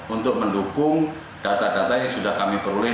untuk mendukung data data yang sudah kami peroleh